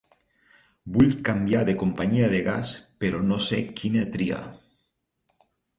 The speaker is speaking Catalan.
Vull canviar de companyia de gas però no sé quina triar.